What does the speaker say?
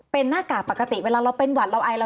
เป็นหน้ากากปกติเวลาเราเป็นหวัดเราไอเรา